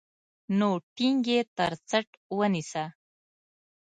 نو ټينګ يې تر څټ ونيسه.